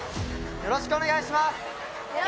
よろしくお願いします。